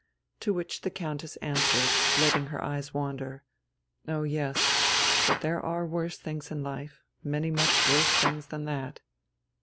To which the Countess answered, letting her eyes wander: "Oh yes. But there are worse things in life many much worse things than that."